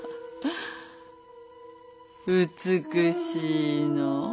美しいのう。